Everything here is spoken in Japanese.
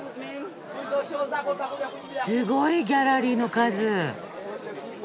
すごいギャラリーの数。